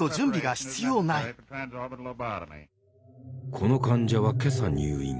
この患者は今朝入院。